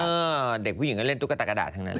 เด็กผู้หญิงก็เล่นตุ๊กตากระดาษทั้งนั้น